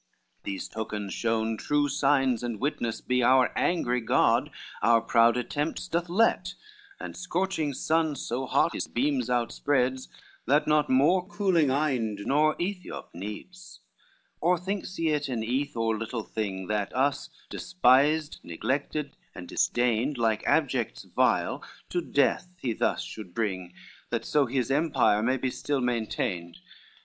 These tokens shown true signs and witness be Our angry God our proud attempts doth let, And scorching sun so hot his beams outspreads, That not more cooling Inde nor Aethiop needs. LXVI "Or thinks he it an eath or little thing That us despised, neglected, and disdained, Like abjects vile, to death he thus should bring, That so his empire may be still maintained?